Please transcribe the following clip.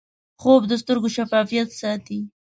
خوب د سترګو شفافیت ساتي